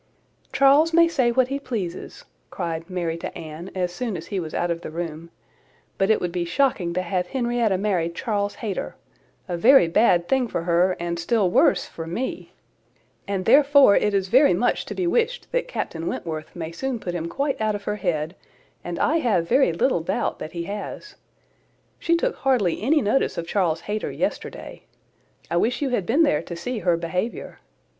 "Charles may say what he pleases," cried Mary to Anne, as soon as he was out of the room, "but it would be shocking to have Henrietta marry Charles Hayter; a very bad thing for her, and still worse for me; and therefore it is very much to be wished that Captain Wentworth may soon put him quite out of her head, and I have very little doubt that he has. She took hardly any notice of Charles Hayter yesterday. I wish you had been there to see her behaviour.